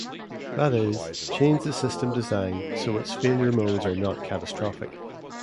That is, change the system design so its failure modes are not catastrophic.